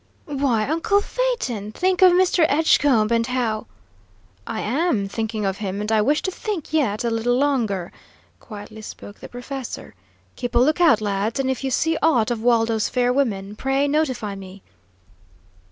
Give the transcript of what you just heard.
"Why, uncle Phaeton! Think of Mr. Edgecombe, and how " "I am thinking of him, and I wish to think yet a little longer," quietly spoke the professor, "keep a lookout, lads, and if you see aught of Waldo's fair women, pray notify me."